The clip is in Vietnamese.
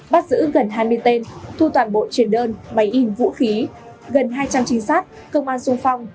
bắt giữ gần hai mươi tên thu toàn bộ chuyển đơn máy in vũ khí gần hai trăm linh trinh sát công an sung phong